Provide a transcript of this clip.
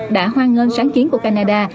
đã hoan ngơn sáng chiến của canada